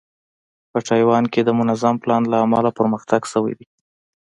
په تایوان کې د منظم پلان له امله پرمختګ شوی دی.